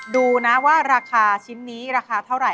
ดูนะว่าราคาชิ้นนี้ราคาเท่าไหร